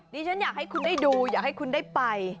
ดิฉันอยากให้คุณได้ดูอยากให้คุณได้ไป